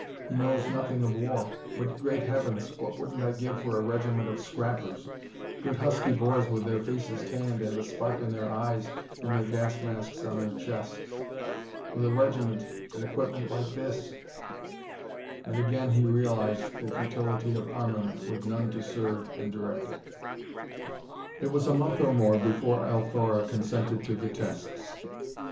He knows nothing of war. But, great heavens! what wouldn't I give for a regiment of scrappers good husky boys with their faces tanned and a spark in their eyes and their gas masks on their chests. With a regiment, and equipment like this " And again he realized the futility of armament with none to serve and direct it. It was a month or more before Althora consented to the tests.